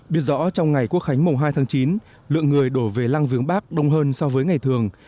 biết rõ trong ngày quốc khánh mùng hai tháng chín lượng người đổ về lăng viếng bác đông hơn so với ngày thường